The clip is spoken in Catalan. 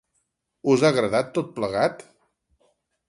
Us ha agradat tot plegat?